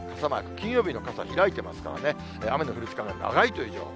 金曜日の傘、開いてますからね、雨の降る時間が長いという情報。